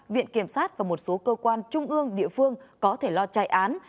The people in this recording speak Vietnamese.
viện kiểm sát và một số cơ quan trung ương địa phương có thể lo chạy án